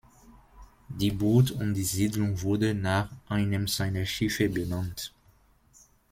Die Bucht und die Siedlung wurde nach einem seiner Schiffe benannt.